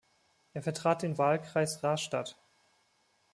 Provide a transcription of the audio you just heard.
Er vertrat den Wahlkreis Rastatt.